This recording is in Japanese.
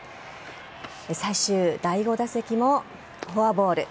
最終第５打席もフォアボール。